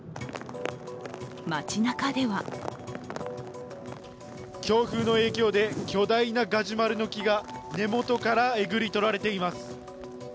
町なかでは強風の影響で巨大なガジュマルの木が根元からえぐり取られています。